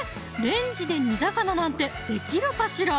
レンジで煮魚なんてできるかしら？